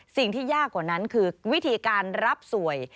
สิ่งที่ยากกว่านั้นคือวิธีการรับสวย